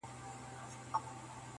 د ګیدړ پر ځای پخپله پکښي ګیر سو -